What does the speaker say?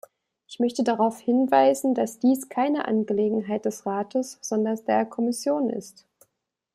Ich möchte darauf hinweisen, dass dies keine Angelegenheit des Rates, sondern der Kommission ist.